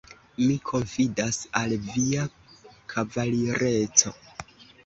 Mi konfidas al via kavalireco.